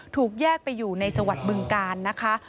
ถูกแยกไปอยู่ในจังหวัดบึงกาลนะคะ